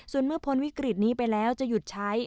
ส่วนเมื่อพ้นวิกฤตนี้ไปแล้วจะหยุดใช้